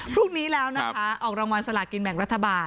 พรุ่งนี้แล้วนะคะออกรางวัลสลากินแบ่งรัฐบาล